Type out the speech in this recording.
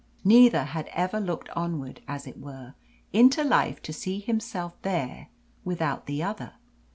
Neither had ever looked onward, as it were, into life to see himself there without the other.